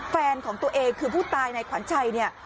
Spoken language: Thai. แฟนของตัวเองคือผู้ตายในขวัญชัยเนี่ย